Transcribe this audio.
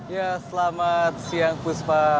ya selamat siang kuspa